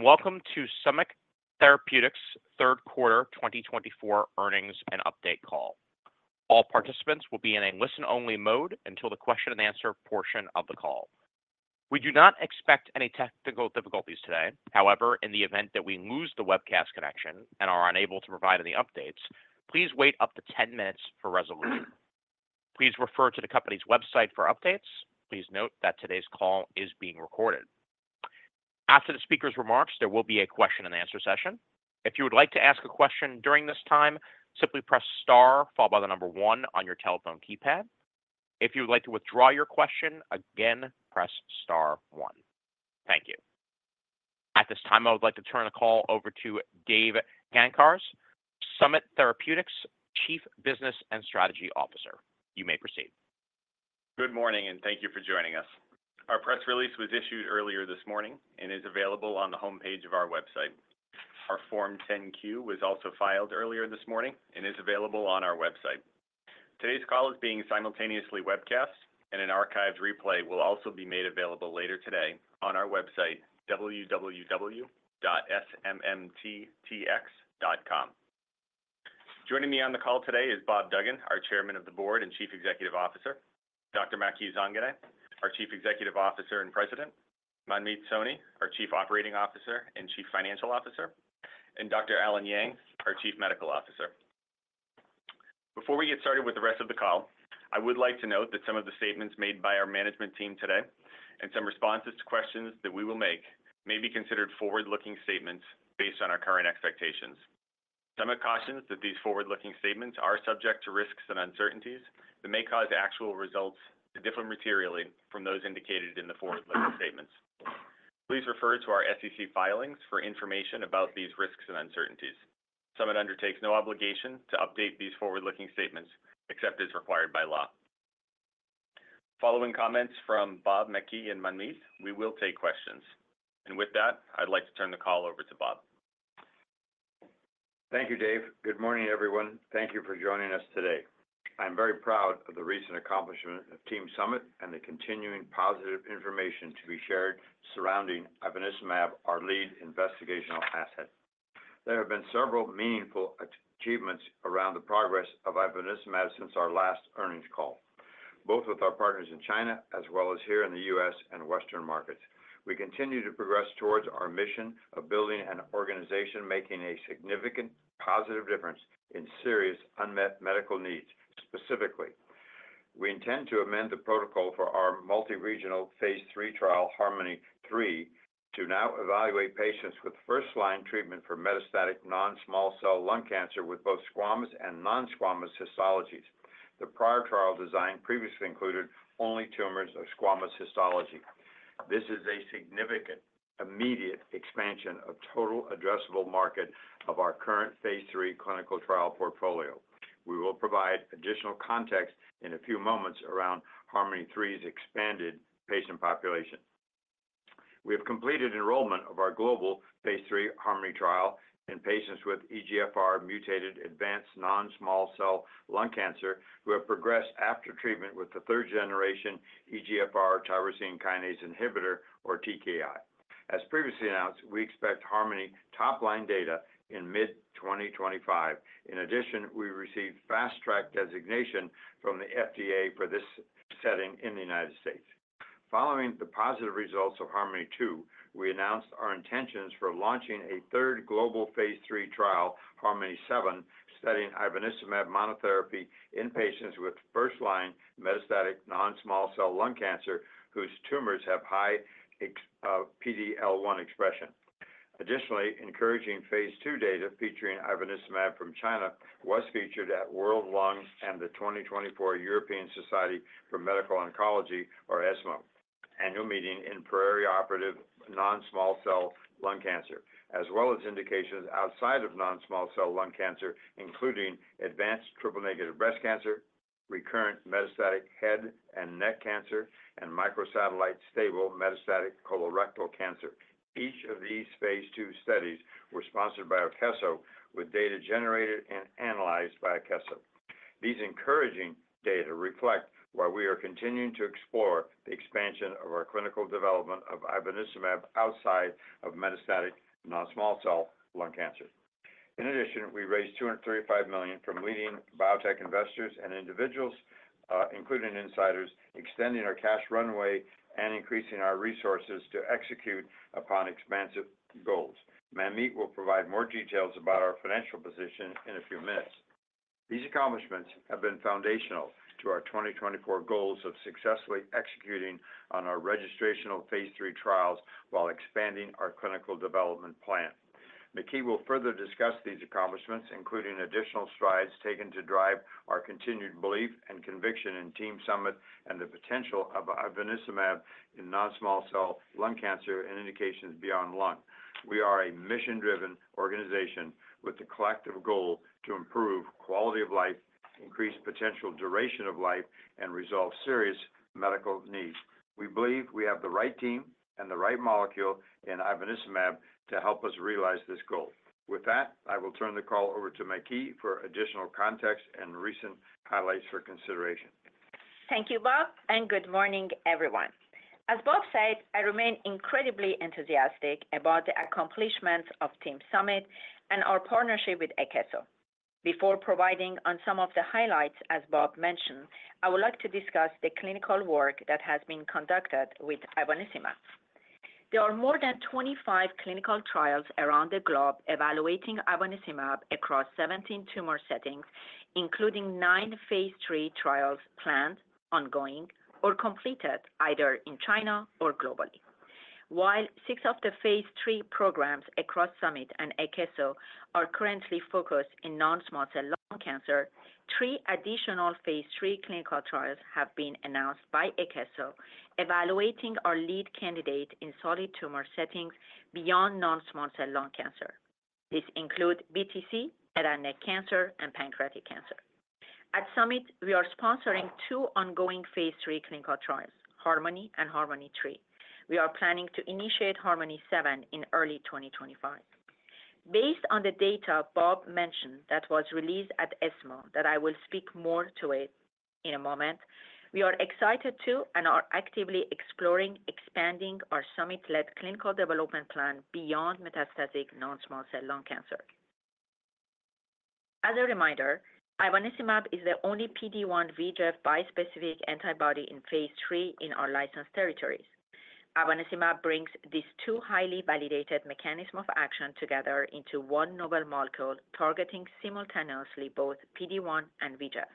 Good morning and welcome to Summit Therapeutics' third quarter 2024 earnings and update call. All participants will be in a listen-only mode until the question-and-answer portion of the call. We do not expect any technical difficulties today. However, in the event that we lose the webcast connection and are unable to provide any updates, please wait up to 10 minutes for resolution. Please refer to the company's website for updates. Please note that today's call is being recorded. After the speaker's remarks, there will be a question-and-answer session. If you would like to ask a question during this time, simply press star followed by the number one on your telephone keypad. If you would like to withdraw your question, again, press star one. Thank you. At this time, I would like to turn the call over to Dave Gancarz, Summit Therapeutics' Chief Business and Strategy Officer. You may proceed. Good morning and thank you for joining us. Our press release was issued earlier this morning and is available on the homepage of our website. Our Form 10-Q was also filed earlier this morning and is available on our website. Today's call is being simultaneously webcast, and an archived replay will also be made available later today on our website, www.smmttx.com. Joining me on the call today is Bob Duggan, our Chairman of the Board and Chief Executive Officer, Dr. Maky Zanganeh, our Chief Executive Officer and President, Manmeet Soni, our Chief Operating Officer and Chief Financial Officer, and Dr. Allen Yang, our Chief Medical Officer. Before we get started with the rest of the call, I would like to note that some of the statements made by our management team today and some responses to questions that we will make may be considered forward-looking statements based on our current expectations. Some have cautioned that these forward-looking statements are subject to risks and uncertainties that may cause actual results to differ materially from those indicated in the forward-looking statements. Please refer to our SEC filings for information about these risks and uncertainties. Summit undertakes no obligation to update these forward-looking statements except as required by law. Following comments from Bob, Maky, and Manmeet, we will take questions. And with that, I'd like to turn the call over to Bob. Thank you, Dave. Good morning, everyone. Thank you for joining us today. I'm very proud of the recent accomplishment of Team Summit and the continuing positive information to be shared surrounding ivonescimab, our lead investigational asset. There have been several meaningful achievements around the progress of ivonescimab since our last earnings call, both with our partners in China as well as here in the U.S. and Western markets. We continue to progress towards our mission of building an organization making a significant positive difference in serious unmet medical needs. Specifically, we intend to amend the protocol for our multiregional phase III trial, HARMONY-3, to now evaluate patients with first-line treatment for metastatic non-small cell lung cancer with both squamous and non-squamous histologies. The prior trial design previously included only tumors of squamous histology. This is a significant, immediate expansion of total addressable market of our current phase III clinical trial portfolio. We will provide additional context in a few moments around HARMONY-3's expanded patient population. We have completed enrollment of our global phase III HARMONY trial in patients with EGFR-mutated advanced non-small cell lung cancer who have progressed after treatment with the third-generation EGFR tyrosine kinase inhibitor, or TKI. As previously announced, we expect HARMONY topline data in mid-2025. In addition, we received fast-track designation from the FDA for this setting in the United States. Following the positive results of HARMONY-2, we announced our intentions for launching a third global phase III trial, HARMONY-7, studying ivonescimab monotherapy in patients with first-line metastatic non-small cell lung cancer whose tumors have high PD-L1 expression. Additionally, encouraging phase two data featuring ivonescimab from China was featured at World Lungs and the 2024 European Society for Medical Oncology, or ESMO, annual meeting in perioperative non-small cell lung cancer, as well as indications outside of non-small cell lung cancer, including advanced triple-negative breast cancer, recurrent metastatic head and neck cancer, and microsatellite stable metastatic colorectal cancer. Each of these phase two studies was sponsored by Akeso, with data generated and analyzed by Akeso. These encouraging data reflect why we are continuing to explore the expansion of our clinical development of ivonescimab outside of metastatic non-small cell lung cancer. In addition, we raised $235 million from leading biotech investors and individuals, including insiders, extending our cash runway and increasing our resources to execute upon expansive goals. Manmeet will provide more details about our financial position in a few minutes. These accomplishments have been foundational to our 2024 goals of successfully executing on our registrational phase three trials while expanding our clinical development plan. Maky will further discuss these accomplishments, including additional strides taken to drive our continued belief and conviction in Team Summit and the potential of ivonescimab in non-small cell lung cancer and indications beyond lung. We are a mission-driven organization with the collective goal to improve quality of life, increase potential duration of life, and resolve serious medical needs. We believe we have the right team and the right molecule in ivonescimab to help us realize this goal. With that, I will turn the call over to Maky for additional context and recent highlights for consideration. Thank you, Bob, and good morning, everyone. As Bob said, I remain incredibly enthusiastic about the accomplishments of Team Summit and our partnership with Akeso. Before providing on some of the highlights, as Bob mentioned, I would like to discuss the clinical work that has been conducted with ivonescimab. There are more than 25 clinical trials around the globe evaluating ivonescimab across 17 tumor settings, including nine phase three trials planned, ongoing, or completed either in China or globally. While six of the phase three programs across Summit and Akeso are currently focused in non-small cell lung cancer, three additional phase three clinical trials have been announced by Akeso evaluating our lead candidate in solid tumor settings beyond non-small cell lung cancer. This includes BTC, head and neck cancer, and pancreatic cancer. At Summit, we are sponsoring two ongoing phase three clinical trials, HARMONY and HARMONY-3. We are planning to initiate HARMONY-7 in early 2025. Based on the data Bob mentioned that was released at ESMO, that I will speak more to it in a moment, we are excited to and are actively exploring expanding our Summit-led clinical development plan beyond metastatic non-small cell lung cancer. As a reminder, ivonescimab is the only PD-1 VEGF bispecific antibody in phase III in our licensed territories. Ivonescimab brings these two highly validated mechanisms of action together into one novel molecule targeting simultaneously both PD-1 and VEGF.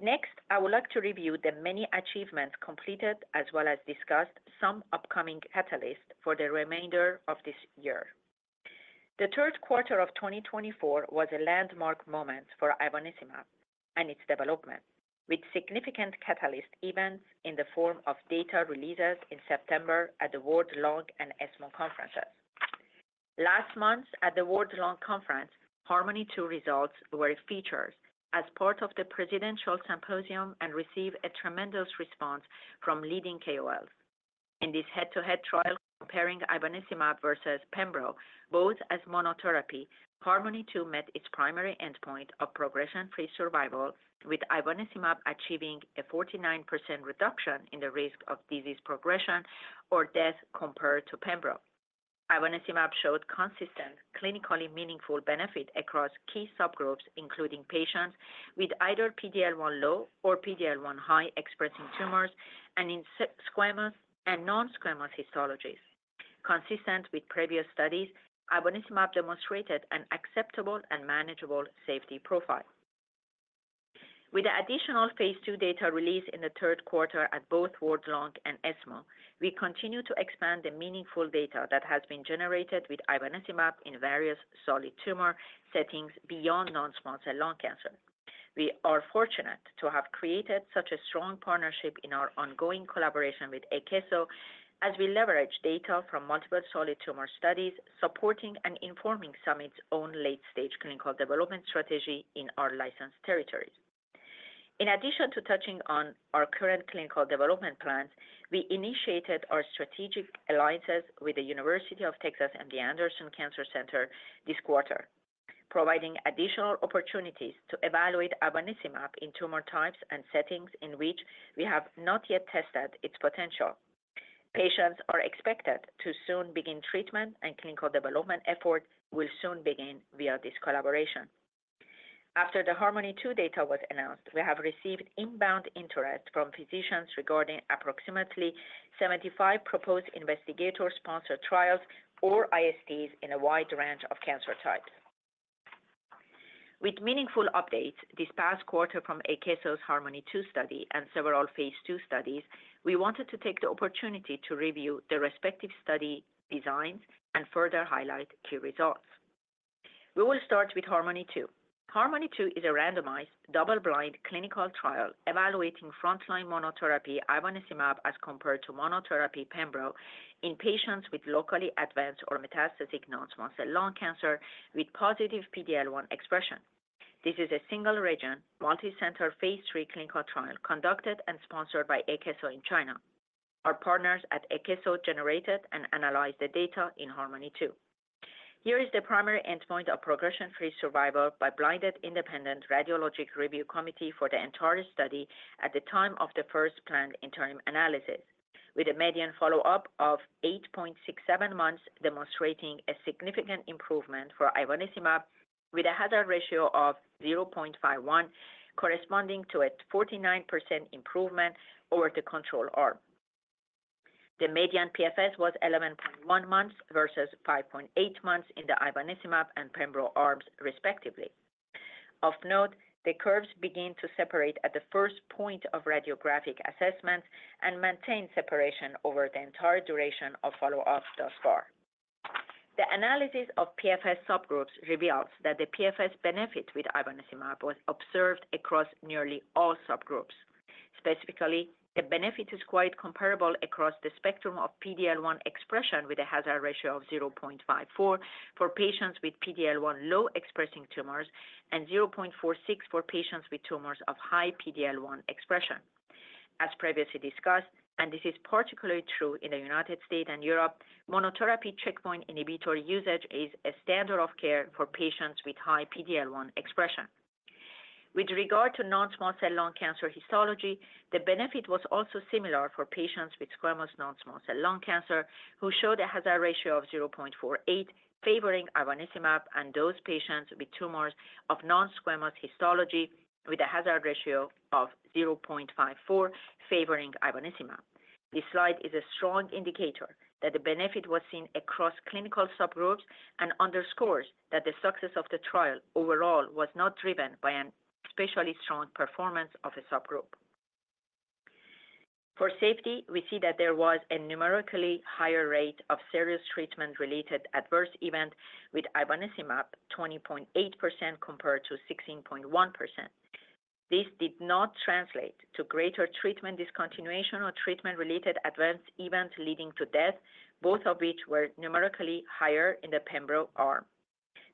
Next, I would like to review the many achievements completed as well as discussed some upcoming catalysts for the remainder of this year. The third quarter of 2024 was a landmark moment for ivonescimab and its development, with significant catalyst events in the form of data releases in September at the World Lung and ESMO conferences. Last month, at the World Conference on Lung Cancer, HARMONY-2 results were featured as part of the presidential symposium and received a tremendous response from leading KOLs. In this head-to-head trial comparing ivonescimab versus pembrolizumab, both as monotherapy, HARMONY-2 met its primary endpoint of progression-free survival, with ivonescimab achieving a 49% reduction in the risk of disease progression or death compared to pembrolizumab. Ivonescimab showed consistent, clinically meaningful benefit across key subgroups, including patients with either PD-L1 low or PD-L1 high expressing tumors and in squamous and non-squamous histologies. Consistent with previous studies, ivonescimab demonstrated an acceptable and manageable safety profile. With the additional phase two data released in the third quarter at both World Conference on Lung Cancer and ESMO, we continue to expand the meaningful data that has been generated with ivonescimab in various solid tumor settings beyond non-small cell lung cancer. We are fortunate to have created such a strong partnership in our ongoing collaboration with Akeso as we leverage data from multiple solid tumor studies supporting and informing Summit's own late-stage clinical development strategy in our licensed territories. In addition to touching on our current clinical development plans, we initiated our strategic alliances with the University of Texas MD Anderson Cancer Center this quarter, providing additional opportunities to evaluate ivonescimab in tumor types and settings in which we have not yet tested its potential. Patients are expected to soon begin treatment, and clinical development efforts will soon begin via this collaboration. After the HARMONY-2 data was announced, we have received inbound interest from physicians regarding approximately 75 proposed investigator-sponsored trials or ISTs in a wide range of cancer types. With meaningful updates this past quarter from Akeso's HARMONY-2 study and several phase II studies, we wanted to take the opportunity to review the respective study designs and further highlight key results. We will start with HARMONY-2. HARMONY-2 is a randomized double-blind clinical trial evaluating frontline monotherapy ivonescimab as compared to monotherapy pembrolizumab in patients with locally advanced or metastatic non-small cell lung cancer with positive PD-L1 expression. This is a single-region, multicenter phase III clinical trial conducted and sponsored by Akeso in China. Our partners at Akeso generated and analyzed the data in HARMONY-2. Here is the primary endpoint of progression-free survival by Blinded Independent Radiologic Review Committee for the entire study at the time of the first planned interim analysis, with a median follow-up of 8.67 months demonstrating a significant improvement for ivonescimab with a hazard ratio of 0.51, corresponding to a 49% improvement over the control arm. The median PFS was 11.1 months versus 5.8 months in the ivonescimab and pembrolizumab arms, respectively. Of note, the curves begin to separate at the first point of radiographic assessment and maintain separation over the entire duration of follow-up thus far. The analysis of PFS subgroups reveals that the PFS benefit with ivonescimab was observed across nearly all subgroups. Specifically, the benefit is quite comparable across the spectrum of PD-L1 expression with a hazard ratio of 0.54 for patients with PD-L1 low expressing tumors and 0.46 for patients with tumors of high PD-L1 expression. As previously discussed, and this is particularly true in the United States and Europe, monotherapy checkpoint inhibitor usage is a standard of care for patients with high PD-L1 expression. With regard to non-small cell lung cancer histology, the benefit was also similar for patients with squamous non-small cell lung cancer who showed a hazard ratio of 0.48 favoring ivonescimab and those patients with tumors of non-squamous histology with a hazard ratio of 0.54 favoring ivonescimab. This slide is a strong indicator that the benefit was seen across clinical subgroups and underscores that the success of the trial overall was not driven by a particularly strong performance of a subgroup. For safety, we see that there was a numerically higher rate of serious treatment-related adverse events with ivonescimab, 20.8% compared to 16.1%. This did not translate to greater treatment discontinuation or treatment-related adverse event leading to death, both of which were numerically higher in the Pembro arm.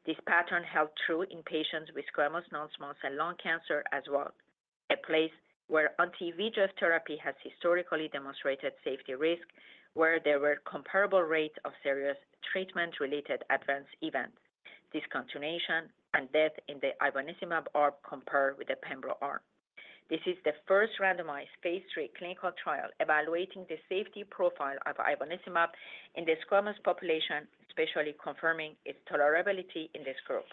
This pattern held true in patients with squamous non-small cell lung cancer as well, a place where anti-VEGF therapy has historically demonstrated safety risk, where there were comparable rates of serious treatment-related adverse event discontinuation and death in the ivonescimab arm compared with the Pembro arm. This is the first randomized phase three clinical trial evaluating the safety profile of ivonescimab in the squamous population, especially confirming its tolerability in this group.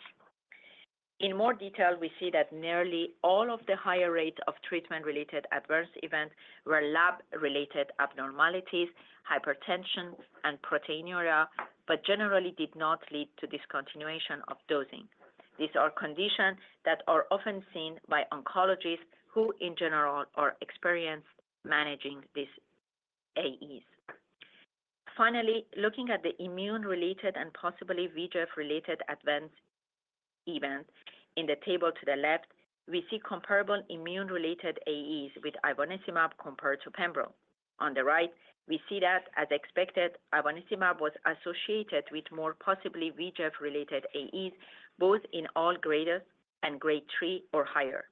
In more detail, we see that nearly all of the higher rates of treatment-related adverse event were lab-related abnormalities, hypertension, and proteinuria, but generally did not lead to discontinuation of dosing. These are conditions that are often seen by oncologists who, in general, are experienced managing these AEs. Finally, looking at the immune-related and possibly VEGF-related adverse events in the table to the left, we see comparable immune-related AEs with ivonescimab compared to Pembrolizumab. On the right, we see that, as expected, ivonescimab was associated with more possibly VEGF-related AEs, both in all grades and grade three or higher.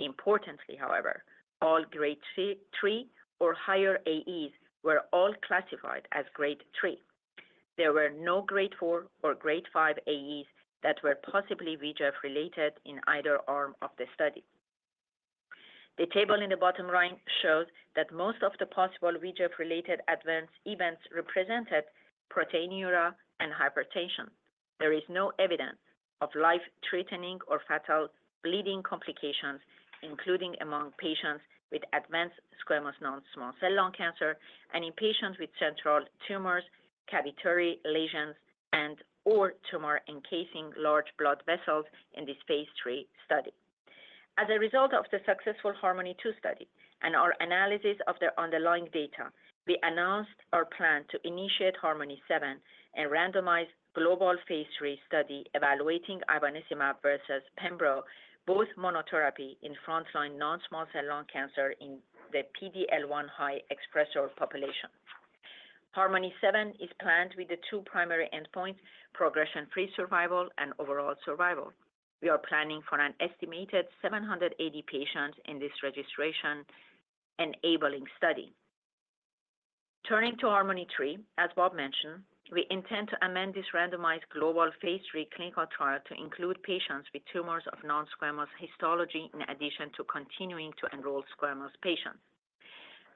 Importantly, however, all grade three or higher AEs were all classified as grade three. There were no grade four or grade five AEs that were possibly VEGF-related in either arm of the study. The table in the bottom right shows that most of the possible VEGF-related adverse events represented proteinuria and hypertension. There is no evidence of life-threatening or fatal bleeding complications, including among patients with advanced squamous non-small cell lung cancer and in patients with central tumors, cavitary lesions, and/or tumor encasing large blood vessels in this phase three study. As a result of the successful HARMONY-2 study and our analysis of the underlying data, we announced our plan to initiate HARMONY-7 and randomized global phase three study evaluating ivonescimab versus pembrolizumab, both monotherapy in front-line non-small cell lung cancer in the PD-L1 high expressor population. HARMONY-7 is planned with the two primary endpoints, progression-free survival and overall survival. We are planning for an estimated 780 patients in this registration-enabling study. Turning to HARMONY-3, as Bob mentioned, we intend to amend this randomized global phase three clinical trial to include patients with tumors of non-squamous histology in addition to continuing to enroll squamous patients.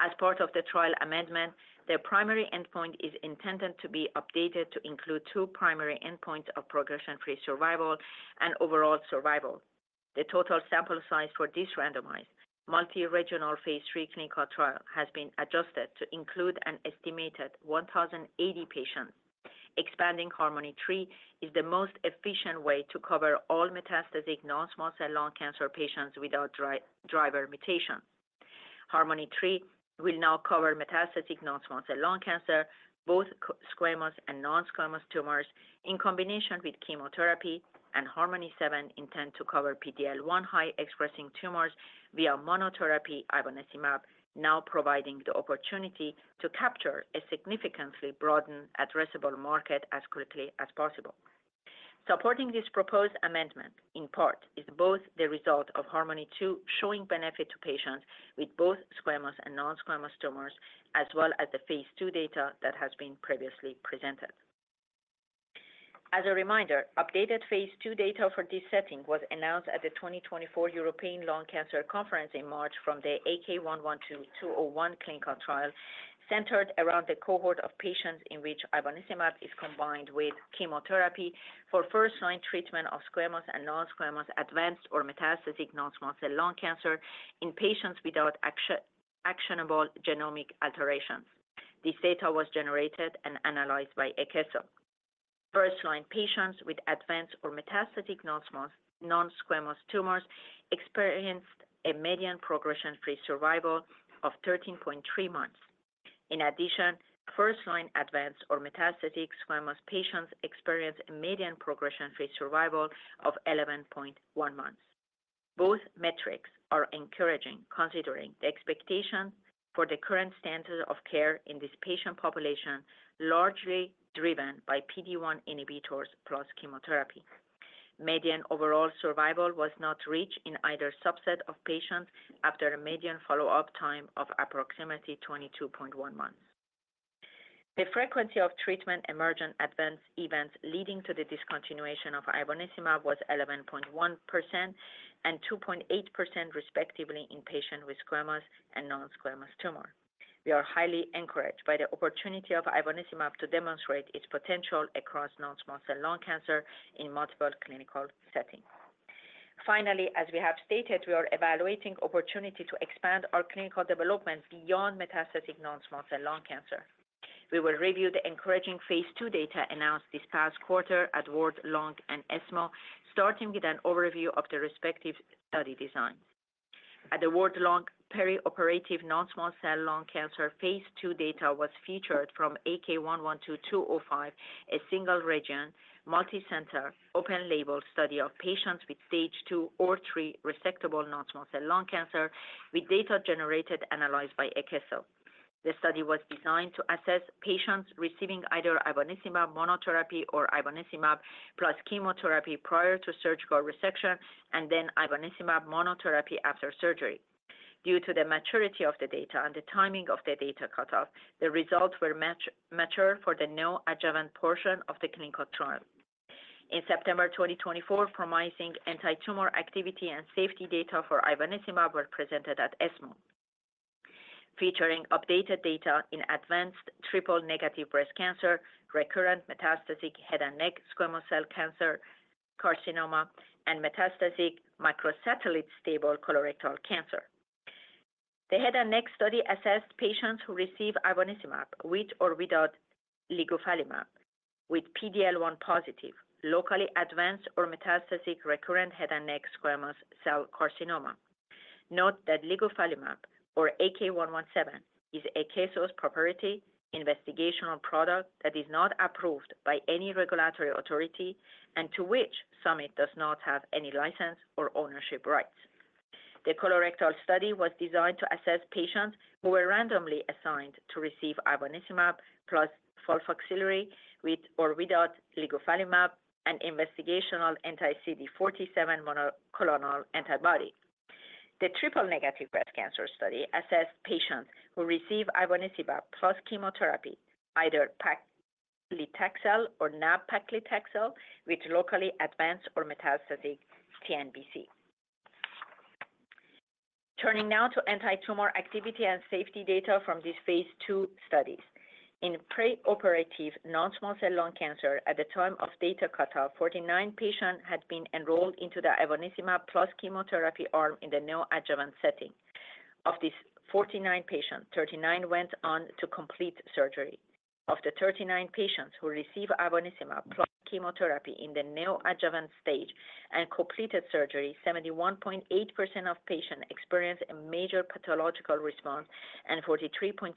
As part of the trial amendment, the primary endpoint is intended to be updated to include two primary endpoints of progression-free survival and overall survival. The total sample size for this randomized multi-regional phase III clinical trial has been adjusted to include an estimated 1,080 patients. Expanding HARMONY-3 is the most efficient way to cover all metastatic non-small cell lung cancer patients without driver mutation. HARMONY-3 will now cover metastatic non-small cell lung cancer, both squamous and non-squamous tumors in combination with chemotherapy, and HARMONY-7 intends to cover PD-L1 high expressing tumors via monotherapy ivonescimab, now providing the opportunity to capture a significantly broadened addressable market as quickly as possible. Supporting this proposed amendment, in part, is both the result of HARMONY-2 showing benefit to patients with both squamous and non-squamous tumors, as well as the phase II data that has been previously presented. As a reminder, updated phase 2 data for this setting was announced at the 2024 European Lung Cancer Conference in March from the AK112-201 clinical trial centered around the cohort of patients in which ivonescimab is combined with chemotherapy for first-line treatment of squamous and non-squamous advanced or metastatic non-small cell lung cancer in patients without actionable genomic alterations. This data was generated and analyzed by Akeso. First-line patients with advanced or metastatic non-squamous tumors experienced a median progression-free survival of 13.3 months. In addition, first-line advanced or metastatic squamous patients experienced a median progression-free survival of 11.1 months. Both metrics are encouraging considering the expectations for the current standards of care in this patient population, largely driven by PD-1 inhibitors plus chemotherapy. Median overall survival was not reached in either subset of patients after a median follow-up time of approximately 22.1 months. The frequency of treatment-emergent adverse events leading to the discontinuation of ivonescimab was 11.1% and 2.8%, respectively, in patients with squamous and non-squamous tumors. We are highly encouraged by the opportunity of ivonescimab to demonstrate its potential across non-small cell lung cancer in multiple clinical settings. Finally, as we have stated, we are evaluating the opportunity to expand our clinical development beyond metastatic non-small cell lung cancer. We will review the encouraging phase two data announced this past quarter at World Lung and ESMO, starting with an overview of the respective study designs. At the World Lung peri-operative non-small cell lung cancer phase two data was featured from AK112205, a single-region, multi-center open-label study of patients with stage two or three resectable non-small cell lung cancer with data generated and analyzed by Akeso. The study was designed to assess patients receiving either ivonescimab monotherapy or ivonescimab plus chemotherapy prior to surgical resection and then ivonescimab monotherapy after surgery. Due to the maturity of the data and the timing of the data cutoff, the results were mature for the neoadjuvant portion of the clinical trial. In September 2024, promising anti-tumor activity and safety data for ivonescimab were presented at ESMO, featuring updated data in advanced triple-negative breast cancer, recurrent metastatic head and neck squamous cell cancer, carcinoma, and metastatic microsatellite stable colorectal cancer. The head and neck study assessed patients who receive ivonescimab with or without ligufalimab with PD-L1 positive, locally advanced or metastatic recurrent head and neck squamous cell carcinoma. Note that ligufalimab or AK117 is Akeso's proprietary investigational product that is not approved by any regulatory authority and to which Summit does not have any license or ownership rights. The colorectal study was designed to assess patients who were randomly assigned to receive ivonescimab plus FOLFOXIRI with or without ligufalimab and investigational anti-CD47 monoclonal antibody. The triple-negative breast cancer study assessed patients who receive ivonescimab plus chemotherapy, either paclitaxel or nab-paclitaxel, with locally advanced or metastatic TNBC. Turning now to anti-tumor activity and safety data from these phase 2 studies. In preoperative non-small cell lung cancer, at the time of data cutoff, 49 patients had been enrolled into the ivonescimab plus chemotherapy arm in the neoadjuvant setting. Of these 49 patients, 39 went on to complete surgery. Of the 39 patients who received ivonescimab plus chemotherapy in the neoadjuvant stage and completed surgery, 71.8% of patients experienced a major pathological response, and 43.6%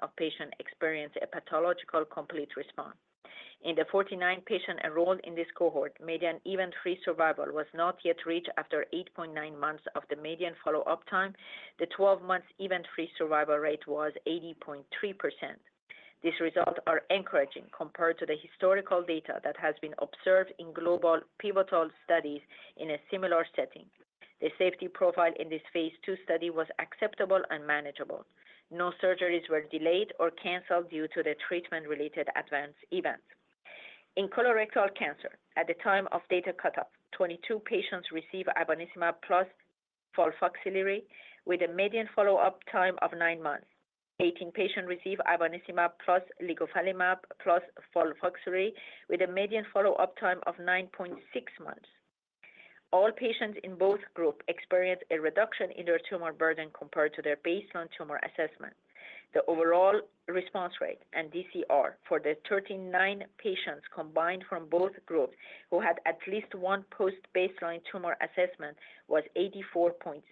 of patients experienced a pathological complete response. In the 49 patients enrolled in this cohort, median event-free survival was not yet reached after 8.9 months of the median follow-up time. The 12-month event-free survival rate was 80.3%. These results are encouraging compared to the historical data that has been observed in global pivotal studies in a similar setting. The safety profile in this phase two study was acceptable and manageable. No surgeries were delayed or canceled due to the treatment-related adverse events. In colorectal cancer, at the time of data cutoff, 22 patients received ivonescimab plus FOLFOXIRI with a median follow-up time of nine months. 18 patients received ivonescimab plus ligufalimab plus FOLFOXIRI with a median follow-up time of 9.6 months. All patients in both groups experienced a reduction in their tumor burden compared to their baseline tumor assessment. The overall response rate and DCR for the 39 patients combined from both groups who had at least one post-baseline tumor assessment was 84.6%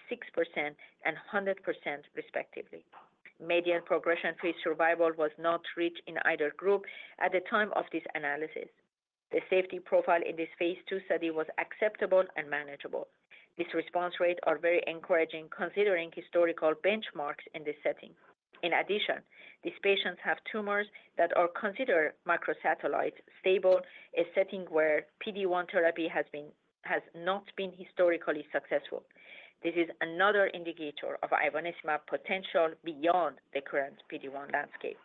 and 100%, respectively. Median progression-free survival was not reached in either group at the time of this analysis. The safety profile in this phase 2 study was acceptable and manageable. These response rates are very encouraging considering historical benchmarks in this setting. In addition, these patients have tumors that are considered microsatellite stable, a setting where PD-1 therapy has not been historically successful. This is another indicator of ivonescimab potential beyond the current PD-1 landscape.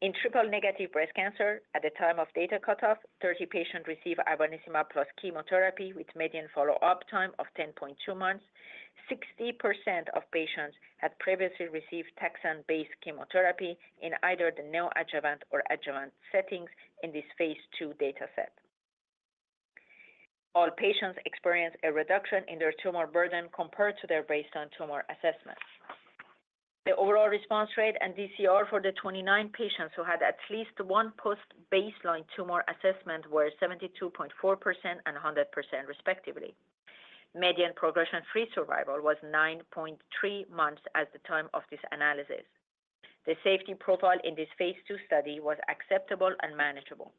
In triple-negative breast cancer, at the time of data cutoff, 30 patients received ivonescimab plus chemotherapy with median follow-up time of 10.2 months. 60% of patients had previously received taxane-based chemotherapy in either the neoadjuvant or adjuvant settings in this phase 2 data set. All patients experienced a reduction in their tumor burden compared to their baseline tumor assessment. The overall response rate and DCR for the 29 patients who had at least one post-baseline tumor assessment were 72.4% and 100%, respectively. Median progression-free survival was 9.3 months at the time of this analysis. The safety profile in this phase two study was acceptable and manageable.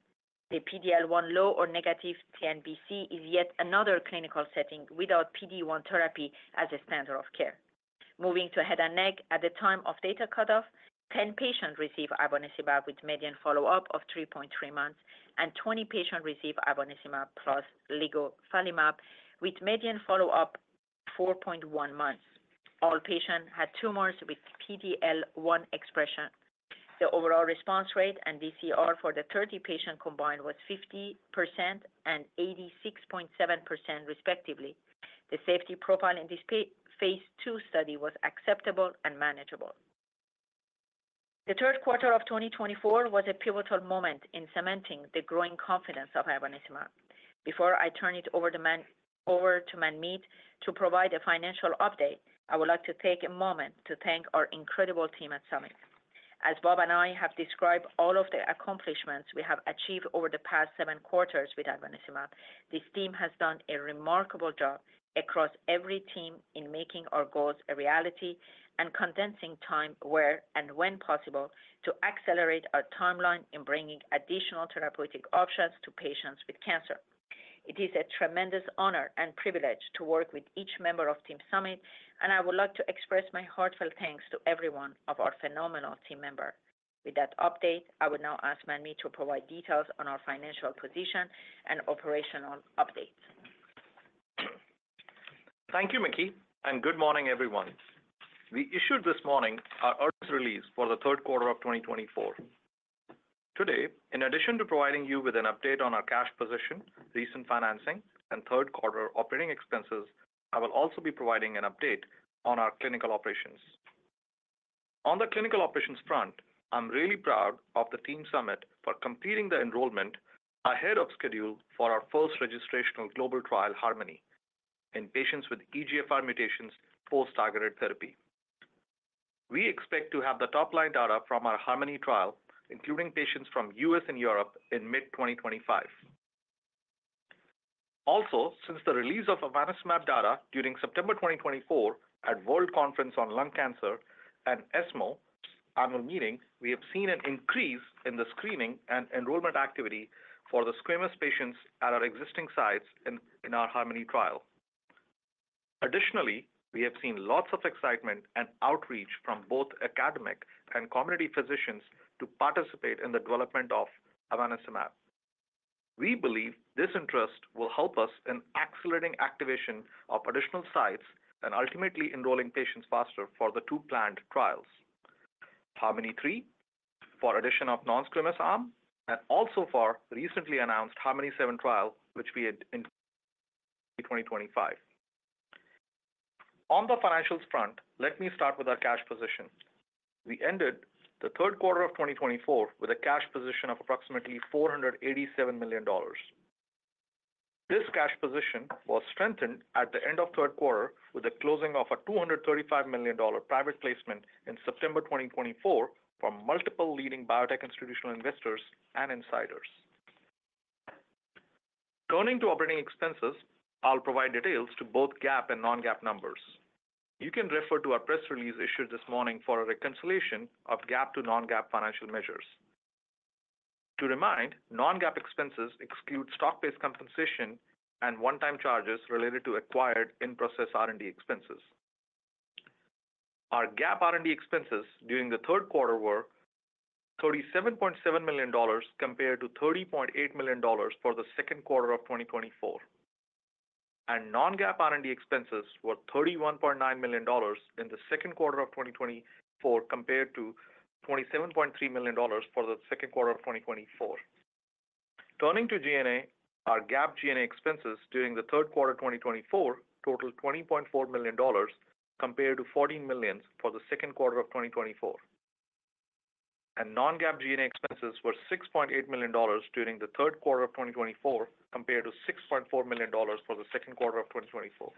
The PD-L1 low or negative TNBC is yet another clinical setting without PD-1 therapy as a standard of care. Moving to head and neck, at the time of data cutoff, 10 patients received Ivonescimab with median follow-up of 3.3 months, and 20 patients received Ivonescimab plus Ligufalimab with median follow-up 4.1 months. All patients had tumors with PD-L1 expression. The overall response rate and DCR for the 30 patients combined was 50% and 86.7%, respectively. The safety profile in this phase two study was acceptable and manageable. The third quarter of 2024 was a pivotal moment in cementing the growing confidence of ivonescimab. Before I turn it over to Manmeet to provide a financial update, I would like to take a moment to thank our incredible team at Summit. As Bob and I have described all of the accomplishments we have achieved over the past seven quarters with ivonescimab, this team has done a remarkable job across every team in making our goals a reality and condensing time where and when possible to accelerate our timeline in bringing additional therapeutic options to patients with cancer. It is a tremendous honor and privilege to work with each member of Team Summit, and I would like to express my heartfelt thanks to every one of our phenomenal team members. With that update, I would now ask Manmeet to provide details on our financial position and operational updates. Thank you, Maky, and good morning, everyone. We issued this morning our earnings release for the third quarter of 2024. Today, in addition to providing you with an update on our cash position, recent financing, and third-quarter operating expenses, I will also be providing an update on our clinical operations. On the clinical operations front, I'm really proud of the Team Summit for completing the enrollment ahead of schedule for our first registrational global trial, HARMONY, in patients with EGFR mutations post-targeted therapy. We expect to have the top-line data from our HARMONY trial, including patients from the U.S. and Europe, in mid-2025. Also, since the release of ivonescimab data during September 2024 at World Conference on Lung Cancer and ESMO annual meeting, we have seen an increase in the screening and enrollment activity for the squamous patients at our existing sites in our HARMONY trial. Additionally, we have seen lots of excitement and outreach from both academic and community physicians to participate in the development of ivonescimab. We believe this interest will help us in accelerating activation of additional sites and ultimately enrolling patients faster for the two planned trials: HARMONY-3 for addition of non-squamous arm, and also for the recently announced HARMONY-7 trial, which we had in 2025. On the financials front, let me start with our cash position. We ended the third quarter of 2024 with a cash position of approximately $487 million. This cash position was strengthened at the end of the third quarter with the closing of a $235 million private placement in September 2024 from multiple leading biotech institutional investors and insiders. Turning to operating expenses, I'll provide details to both GAAP and non-GAAP numbers. You can refer to our press release issued this morning for a reconciliation of GAAP to non-GAAP financial measures. To remind, non-GAAP expenses exclude stock-based compensation and one-time charges related to acquired in-process R&D expenses. Our GAAP R&D expenses during the third quarter were $37.7 million compared to $30.8 million for the second quarter of 2024. And non-GAAP R&D expenses were $31.9 million in the second quarter of 2024 compared to $27.3 million for the second quarter of 2024. Turning to G&A, our GAAP G&A expenses during the third quarter of 2024 totaled $20.4 million compared to $14 million for the second quarter of 2024. And non-GAAP G&A expenses were $6.8 million during the third quarter of 2024 compared to $6.4 million for the second quarter of 2024.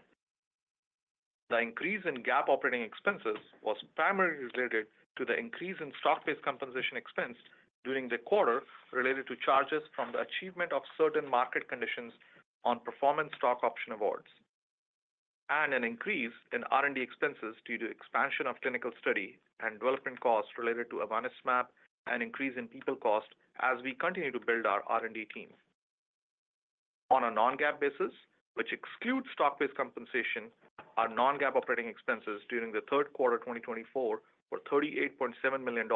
The increase in GAAP operating expenses was primarily related to the increase in stock-based compensation expensed during the quarter related to charges from the achievement of certain market conditions on performance stock option awards, and an increase in R&D expenses due to expansion of clinical study and development costs related to ivonescimab and increase in people cost as we continue to build our R&D team. On a non-GAAP basis, which excludes stock-based compensation, our non-GAAP operating expenses during the third quarter of 2024 were $38.7 million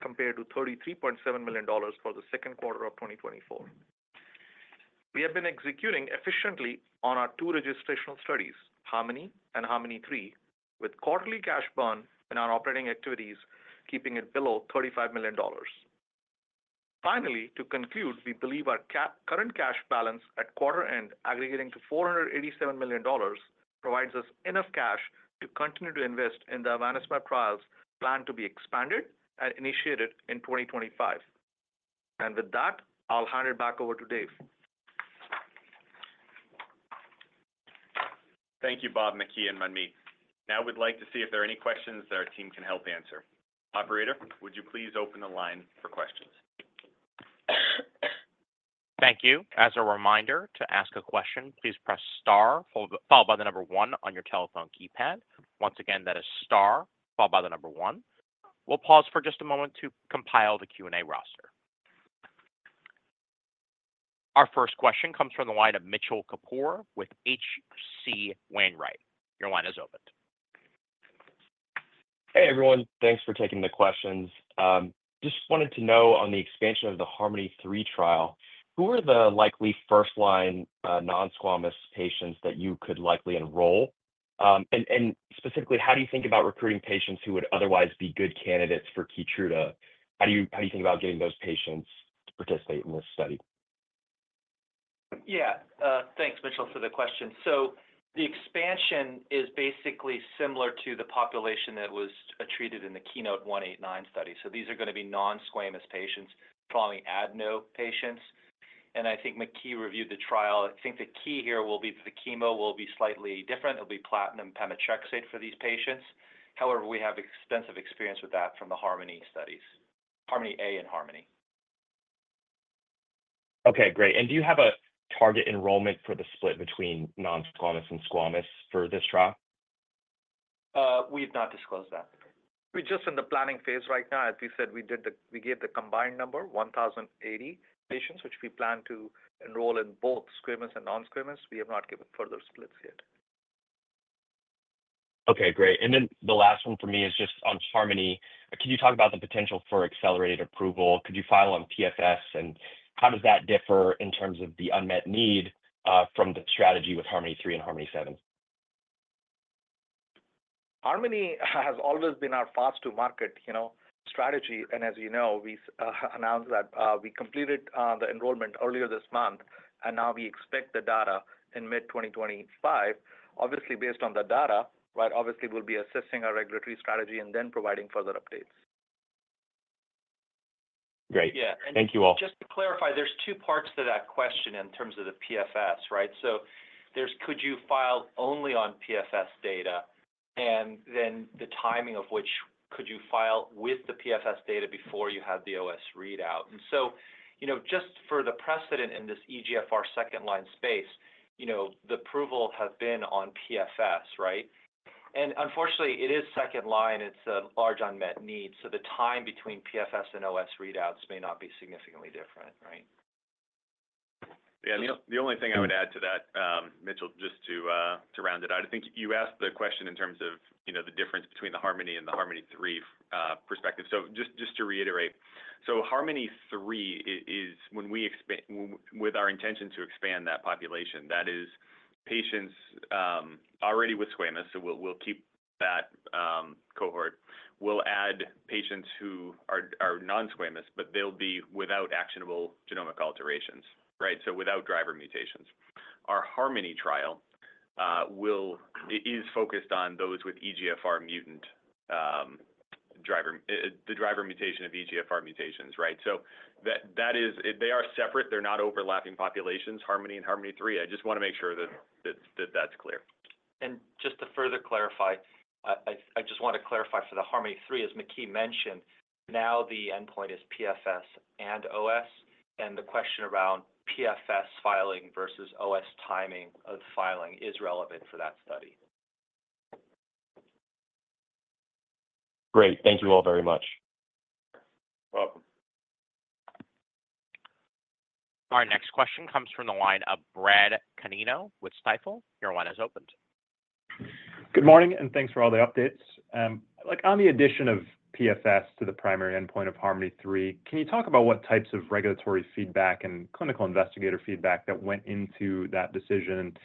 compared to $33.7 million for the second quarter of 2024. We have been executing efficiently on our two registrational studies, HARMONY and HARMONY-3, with quarterly cash burn in our operating activities, keeping it below $35 million. Finally, to conclude, we believe our current cash balance at quarter-end aggregating to $487 million provides us enough cash to continue to invest in the ivonescimab trials planned to be expanded and initiated in 2025. And with that, I'll hand it back over to Dave. Thank you, Bob, Maky, and Manmeet. Now, we'd like to see if there are any questions that our team can help answer. Operator, would you please open the line for questions? Thank you. As a reminder to ask a question, please press star followed by the number one on your telephone keypad. Once again, that is star followed by the number one. We'll pause for just a moment to compile the Q&A roster. Our first question comes from the line of Mitchell Kapoor with H.C. Wainwright. Your line is open. Hey, everyone. Thanks for taking the questions. Just wanted to know on the expansion of the HARMONY-3 trial, who are the likely first-line non-squamous patients that you could likely enroll? And specifically, how do you think about recruiting patients who would otherwise be good candidates for Keytruda? How do you think about getting those patients to participate in this study? Yeah. Thanks, Mitchell, for the question. So the expansion is basically similar to the population that was treated in the KEYNOTE-189 study. So these are going to be non-squamous patients following adeno patients. And I think Maky reviewed the trial. I think the key here will be that the chemo will be slightly different. It'll be platinum pemetrexed for these patients. However, we have extensive experience with that from the HARMONY studies, HARMONY A and HARMONY. Okay. Great. And do you have a target enrollment for the split between non-squamous and squamous for this trial? We have not disclosed that. We're just in the planning phase right now. As we said, we gave the combined number, 1,080 patients, which we plan to enroll in both squamous and non-squamous. We have not given further splits yet. Okay. Great. And then the last one for me is just on HARMONY. Can you talk about the potential for accelerated approval? Could you file on PFS? And how does that differ in terms of the unmet need from the strategy with HARMONY-3 and HARMONY-7? HARMONY has always been our fast-to-market strategy. And as you know, we announced that we completed the enrollment earlier this month, and now we expect the data in mid-2025. Obviously, based on the data, right, obviously, we'll be assessing our regulatory strategy and then providing further updates. Great. Yeah. Thank you all. Just to clarify, there's two parts to that question in terms of the PFS, right? So there's, could you file only on PFS data? And then the timing of which, could you file with the PFS data before you have the OS readout? And so just for the precedent in this EGFR second-line space, the approval has been on PFS, right? And unfortunately, it is second-line. It's a large unmet need. So the time between PFS and OS readouts may not be significantly different, right? Yeah. The only thing I would add to that, Mitchell, just to round it out, I think you asked the question in terms of the difference between the HARMONY and the HARMONY-3 perspective. So just to reiterate, so HARMONY-3 is when we expand with our intention to expand that population, that is patients already with squamous. So we'll keep that cohort. We'll add patients who are non-squamous, but they'll be without actionable genomic alterations, right? So without driver mutations. Our HARMONY trial is focused on those with EGFR mutant, the driver mutation of EGFR mutations, right? So they are separate. They're not overlapping populations, HARMONY and HARMONY-3. I just want to make sure that that's clear. And just to further clarify, I just want to clarify for the HARMONY-3, as Maky mentioned, now the endpoint is PFS and OS. And the question around PFS filing versus OS timing of filing is relevant for that study. Great. Thank you all very much. You're welcome. Our next question comes from the line of Brad Canino with Stifel. Your line is open. Good morning, and thanks for all the updates. On the addition of PFS to the primary endpoint of HARMONY-3, can you talk about what types of regulatory feedback and clinical investigator feedback that went into that decision?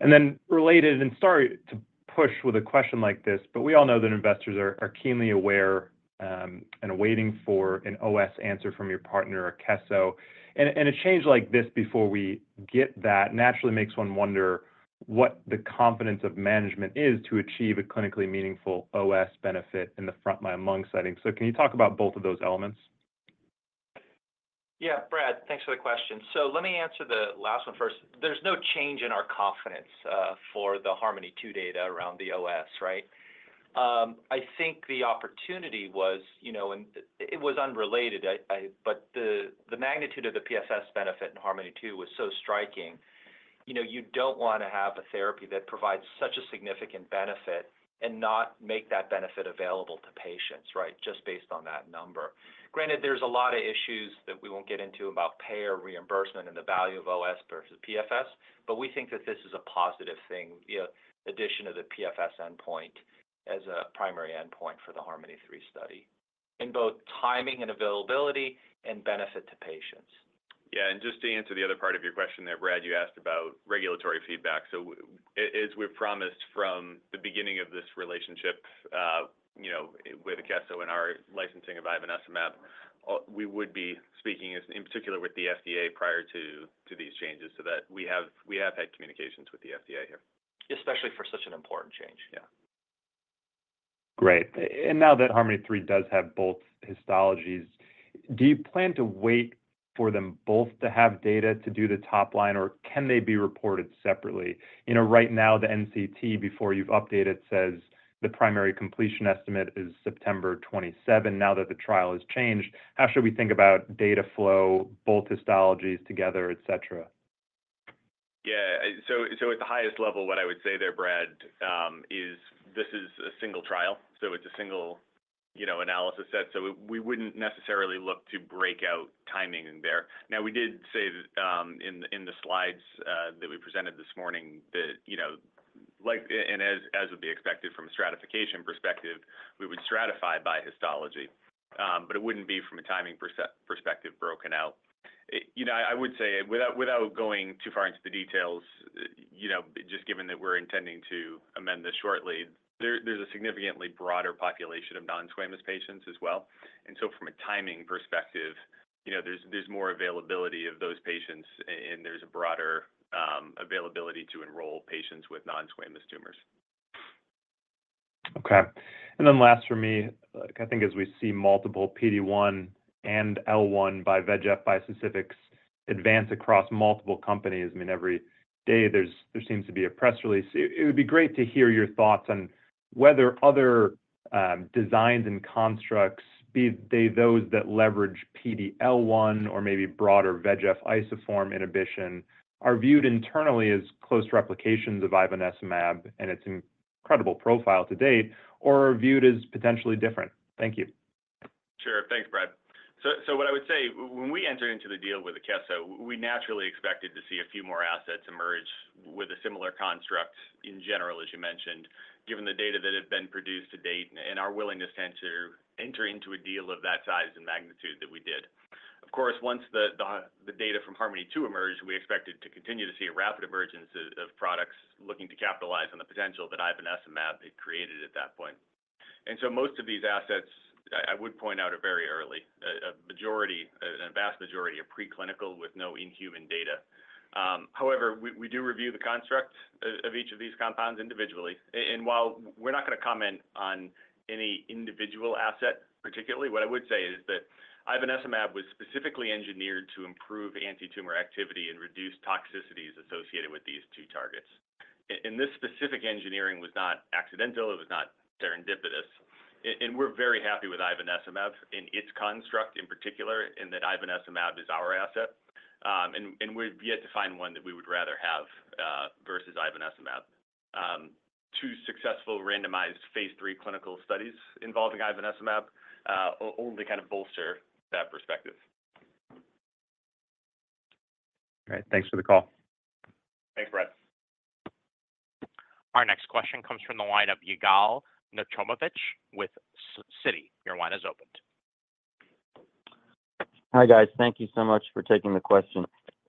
And then related, and sorry to push with a question like this, but we all know that investors are keenly aware and waiting for an OS answer from your partner, Akeso. And a change like this before we get that naturally makes one wonder what the confidence of management is to achieve a clinically meaningful OS benefit in the front-line among settings. So can you talk about both of those elements? Yeah. Brad, thanks for the question. So let me answer the last one first. There's no change in our confidence for the HARMONY II data around the OS, right? I think the opportunity was, and it was unrelated, but the magnitude of the PFS benefit in HARMONY II was so striking. You don't want to have a therapy that provides such a significant benefit and not make that benefit available to patients, right, just based on that number. Granted, there's a lot of issues that we won't get into about pay or reimbursement and the value of OS versus PFS, but we think that this is a positive thing, addition of the PFS endpoint as a primary endpoint for the HARMONY-3 study in both timing and availability and benefit to patients. Yeah, and just to answer the other part of your question there, Brad, you asked about regulatory feedback. So as we've promised from the beginning of this relationship with Akeso and our licensing of ivonescimab, we would be speaking in particular with the FDA prior to these changes so that we have had communications with the FDA here, especially for such an important change. Yeah. Great. And now that HARMONY-3 does have both histologies, do you plan to wait for them both to have data to do the top line, or can they be reported separately? Right now, the NCT, before you've updated, says the primary completion estimate is September 27 now that the trial has changed. How should we think about data flow, both histologies together, etc.? Yeah. So at the highest level, what I would say there, Brad, is this is a single trial. So it's a single analysis set. So we wouldn't necessarily look to break out timing there. Now, we did say in the slides that we presented this morning that, and as would be expected from a stratification perspective, we would stratify by histology, but it wouldn't be from a timing perspective broken out. I would say, without going too far into the details, just given that we're intending to amend this shortly, there's a significantly broader population of non-squamous patients as well. And so from a timing perspective, there's more availability of those patients, and there's a broader availability to enroll patients with non-squamous tumors. Okay. And then last for me, I think as we see multiple PD-1 and L1/VEGF bispecifics advance across multiple companies, I mean, every day there seems to be a press release. It would be great to hear your thoughts on whether other designs and constructs, be they those that leverage PD-L1 or maybe broader VEGF isoform inhibition, are viewed internally as close replications of ivonescimab and its incredible profile to date, or are viewed as potentially different. Thank you. Sure. Thanks, Brad. So what I would say, when we entered into the deal with Akeso, we naturally expected to see a few more assets emerge with a similar construct in general, as you mentioned, given the data that had been produced to date and our willingness to enter into a deal of that size and magnitude that we did. Of course, once the data from HARMONY-2 emerged, we expected to continue to see a rapid emergence of products looking to capitalize on the potential that ivonescimab had created at that point. Most of these assets, I would point out very early, a majority, a vast majority are preclinical with no in-human data. However, we do review the construct of each of these compounds individually. While we're not going to comment on any individual asset particularly, what I would say is that ivonescimab was specifically engineered to improve anti-tumor activity and reduce toxicities associated with these two targets. This specific engineering was not accidental. It was not serendipitous. We're very happy with ivonescimab in its construct in particular, in that ivonescimab is our asset. We've yet to find one that we would rather have versus ivonescimab. Two successful randomized phase three clinical studies involving ivonescimab only kind of bolster that perspective. All right. Thanks for the call. Thanks, Brad. Our next question comes from the line of Yigal Nochomovitz with Citi. Your line is opened. Hi guys. Thank you so much for taking the question.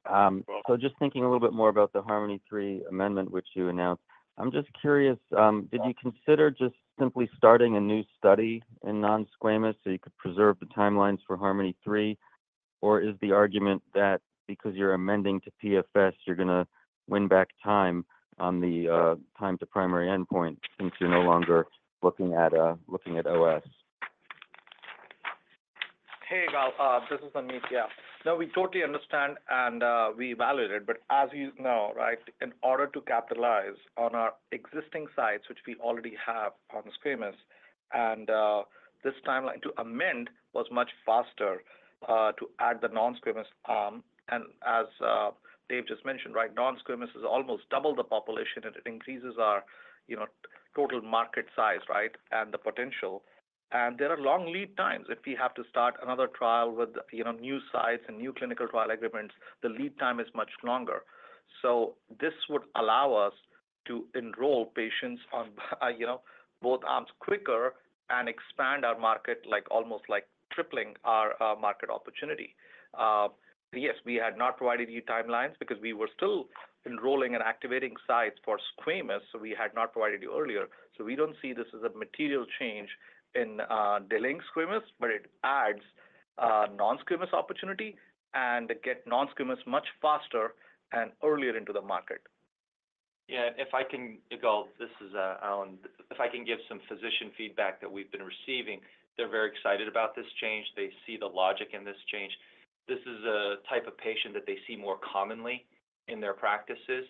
So just thinking a little bit more about the HARMONY-3 amendment, which you announced, I'm just curious, did you consider just simply starting a new study in non-squamous so you could preserve the timelines for HARMONY-3, or is the argument that because you're amending to PFS, you're going to win back time on the time to primary endpoint since you're no longer looking at OS? Hey, Yigal. This is Manmeet. Yeah. No, we totally understand and we validate it. But as you know, right, in order to capitalize on our existing sites, which we already have on squamous, and this timeline to amend was much faster to add the non-squamous. And as Dave just mentioned, right, non-squamous is almost double the population, and it increases our total market size, right, and the potential. And there are long lead times. If we have to start another trial with new sites and new clinical trial agreements, the lead time is much longer. So this would allow us to enroll patients on both arms quicker and expand our market, almost like tripling our market opportunity. Yes, we had not provided you timelines because we were still enrolling and activating sites for squamous, so we had not provided you earlier. So we don't see this as a material change in delaying squamous, but it adds non-squamous opportunity and gets non-squamous much faster and earlier into the market. Yeah. And if I can, Yigal, this is Allen. If I can give some physician feedback that we've been receiving, they're very excited about this change. They see the logic in this change. This is a type of patient that they see more commonly in their practices.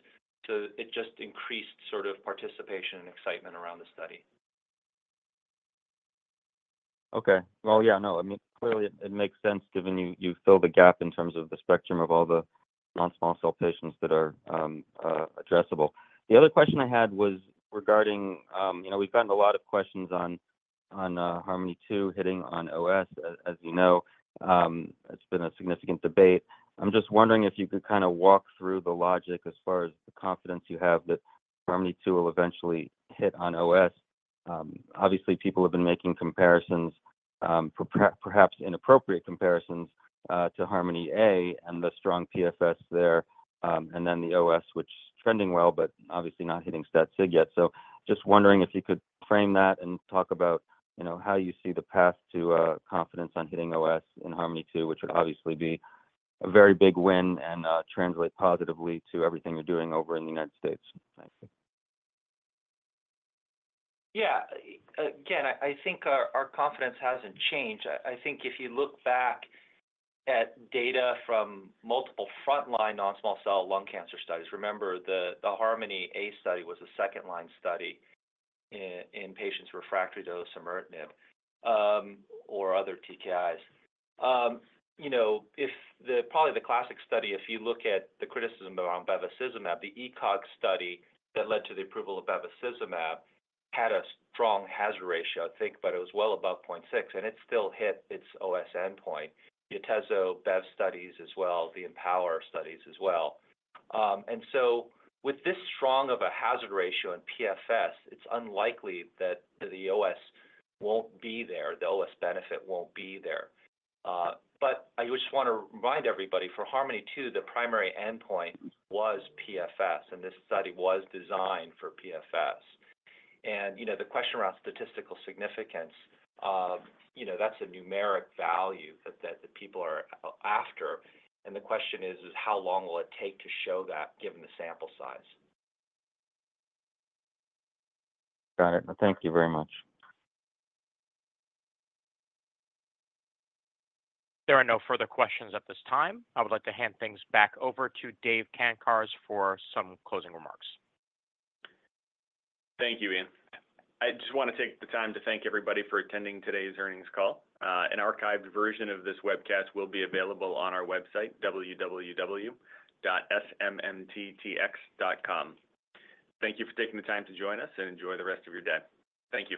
So it just increased sort of participation and excitement around the study. Okay. Well, yeah, no. I mean, clearly, it makes sense given you fill the gap in terms of the spectrum of all the non-small cell patients that are addressable. The other question I had was regarding. We've gotten a lot of questions on HARMONY II hitting on OS. As you know, it's been a significant debate. I'm just wondering if you could kind of walk through the logic as far as the confidence you have that HARMONY II will eventually hit on OS. Obviously, people have been making comparisons, perhaps inappropriate comparisons to HARMONY A and the strong PFS there, and then the OS, which is trending well, but obviously not hitting stat sig yet. So just wondering if you could frame that and talk about how you see the path to confidence on hitting OS in HARMONY II, which would obviously be a very big win and translate positively to everything you're doing over in the United States. Yeah. Again, I think our confidence hasn't changed. I think if you look back at data from multiple front-line non-small cell lung cancer studies, remember the HARMONY A study was a second-line study in patients refractory to osimertinib or other TKIs. If probably the classic study, if you look at the criticism around bevacizumab, the ECOG study that led to the approval of bevacizumab had a strong hazard ratio, I think, but it was well above 0.6, and it still hit its OS endpoint. Atezolizumab BEV studies as well, the IMpower studies as well. With this strong of a hazard ratio in PFS, it's unlikely that the OS won't be there. The OS benefit won't be there. But I just want to remind everybody for HARMONY II, the primary endpoint was PFS, and this study was designed for PFS. The question around statistical significance, that's a numeric value that people are after. The question is, how long will it take to show that given the sample size? Got it. Thank you very much. There are no further questions at this time. I would like to hand things back over to Dave Gancarz for some closing remarks. Thank you, Ian. I just want to take the time to thank everybody for attending today's earnings call. An archived version of this webcast will be available on our website, www.smmttx.com. Thank you for taking the time to join us and enjoy the rest of your day. Thank you.